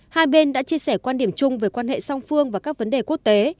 hai bên đã chia sẻ quan điểm chung về quan hệ song phương và các vấn đề quốc tế